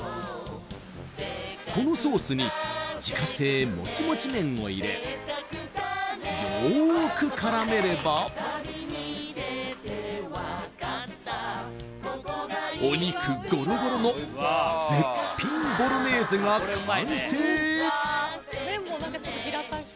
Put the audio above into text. このソースに自家製モチモチ麺を入れよくからめればお肉ゴロゴロの絶品ボロネーゼが完成！